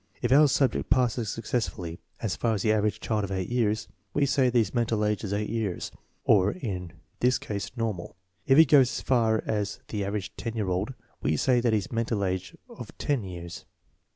If our subject passes successfully as far as the average child of eight years, we say that his mental age is eight years, or in this case normal. If he goes as far as the average ten year old, we say that he has a mental age of ten years.